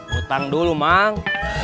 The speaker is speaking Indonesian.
ngutang dulu mang